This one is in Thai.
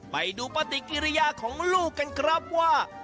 ไปดูปฏิกิริยาของลูกกันครับว่า